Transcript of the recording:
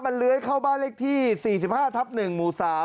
มันเลื้อยเข้าบ้านเลขที่๔๕ทับ๑หมู่๓